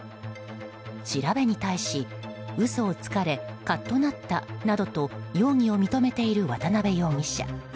調べに対し、嘘をつかれカッとなったなどと容疑を認めている渡辺容疑者。